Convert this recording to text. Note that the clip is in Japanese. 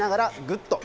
グッと。